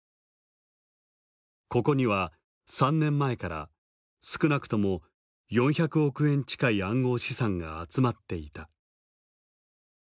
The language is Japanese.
ここには３年前から少なくとも４００億円近い暗号資産が集まっていた。